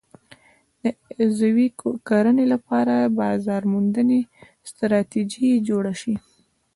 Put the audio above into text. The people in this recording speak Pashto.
د عضوي کرنې لپاره د بازار موندنې ستراتیژي جوړه شي.